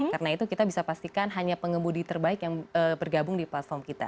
karena itu kita bisa pastikan hanya pengemudi terbaik yang bergabung di platform kita